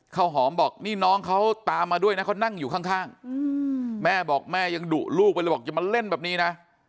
ข้าวหอมบอกนี่น้องเขาตามมาด้วยนะเขานั่งอยู่ข้างแม่บอกแม่ยังดุลูกไปเลยบอกอย่ามาเล่นแบบนี้นะ